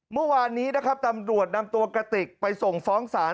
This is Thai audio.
เมื่อวานนี้นะครับตำรวจนำตัวกระติกไปส่งฟ้องศาล